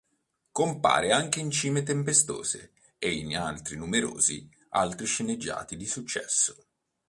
Compare anche in "Cime tempestose" e in numerosi altri sceneggiati di successo.